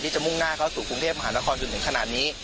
ที่จะมุ่งหน้าเข้าสู่กรุงเทพฯมหานคร๐๑ขนาดนี้